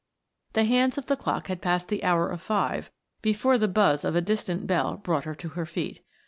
The hands of the clock had passed the hour of five before the buzz of a distant bell brought her to her feet.